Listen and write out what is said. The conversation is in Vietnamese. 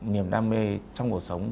niềm đam mê trong cuộc sống